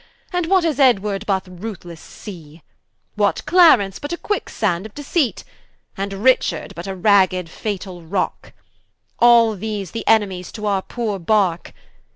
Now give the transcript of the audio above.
And what is Edward, but a ruthlesse Sea? What Clarence, but a Quick sand of Deceit? And Richard, but a raged fatall Rocke? All these, the Enemies to our poore Barke.